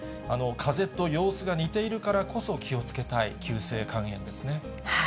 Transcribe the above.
かぜと様子が似ているからこそ気をつけたい急性肝炎ですね。